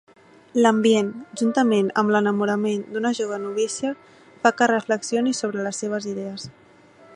L'ambient, juntament amb l'enamorament d'una jove novícia, fa que reflexioni sobre les seves idees.